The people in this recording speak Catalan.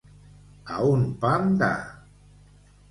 A un pam de.